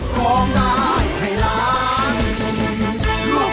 เพื่อให้สู้ทุกชีวิต